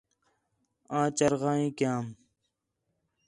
آں چرغائیں کیام